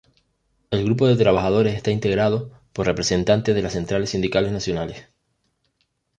El grupo de trabajadores está integrado por representantes de las centrales sindicales nacionales.